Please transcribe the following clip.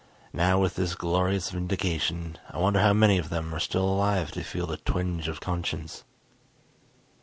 Now with this glorious vindication, I wonder how many of them are still alive to feel the twinge of conscience....